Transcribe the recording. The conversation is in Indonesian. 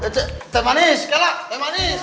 teh manis kelak teh manis